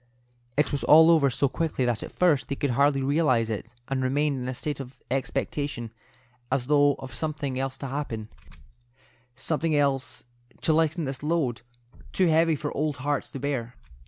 It was all over so quickly that at first they could hardly realize it, and remained in a state of expectation as though of something else to happen —something else which was to lighten this load, too heavy for old hearts to bear.